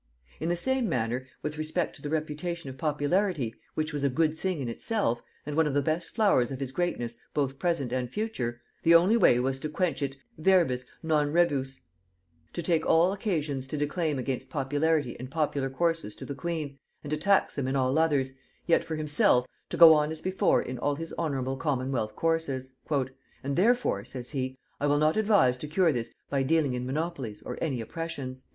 In the same manner, with respect to the reputation of popularity, which was a good thing in itself, and one of the best flowers of his greatness both present and future, the only way was to quench it verbis, non rebus; to take all occasions to declaim against popularity and popular courses to the queen, and to tax them in all others, yet for himself, to go on as before in all his honorable commonwealth courses. "And therefore," says he, "I will not advise to cure this by dealing in monopolies or any oppressions."